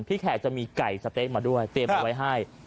แขกจะมีไก่สะเต๊ะมาด้วยเตรียมเอาไว้ให้